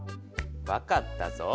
分かったぞ。